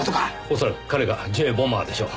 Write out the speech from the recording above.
恐らく彼がＪ・ボマーでしょう。